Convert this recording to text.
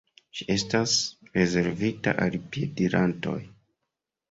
Ĝi estas rezervita al piedirantoj.